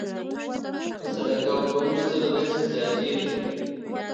په صدقه ورکولو سره رزق زیاتېږي.